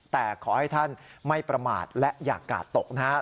แต่ขอให้ท่านไม่ประมาทและอย่ากาดตกนะครับ